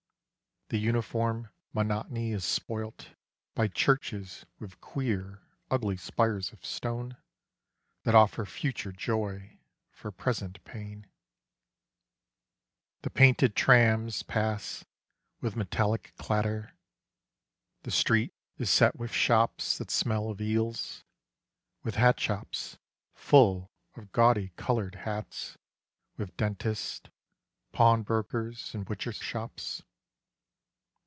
The uniform monotony is spoilt By churches with queer ugly spires of stone That offer future joy for present pain. The painted trams pass with metallic clatter, 19 London. The street is set with shops that smell of eels, With hat shops, full of gaudy coloured hats With dentists, pawn brokers, and butchers' shops.